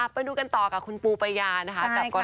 ไปดูกันต่อกับคุณปูปายานะคะ